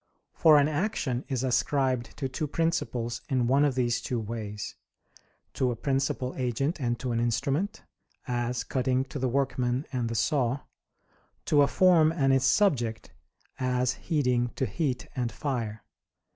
For an action is ascribed to two principles in one of these two ways; to a principal agent and to an instrument, as cutting to the workman and the saw; to a form and its subject, as heating to heat and fire.